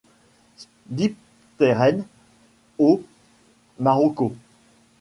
Dipteren aus Marokko.